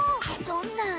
そんな。